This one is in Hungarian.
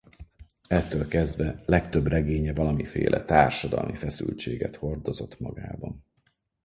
Ettől kezdve legtöbb regénye valamiféle társadalmi feszültséget hordozott magában.